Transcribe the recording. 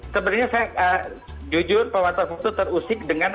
sebenarnya saya jujur perwata foto terusik dengan